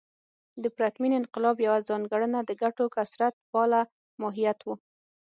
د پرتمین انقلاب یوه ځانګړنه د ګټو کثرت پاله ماهیت و.